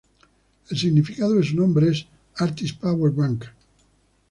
El significado de su nombre es artist power bank.